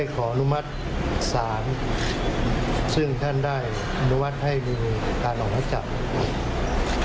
ก็เอาสักชื่อหัวหน้านายชุมพล